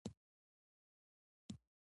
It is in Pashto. یعنې د نېزې جوړولو ځای او نېزه ستان.